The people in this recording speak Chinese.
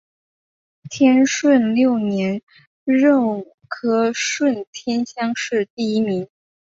天顺六年壬午科顺天乡试第一名。